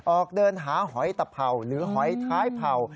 ออกเดินหาหอยตะเผ่าหรือหอยท้ายเผ่า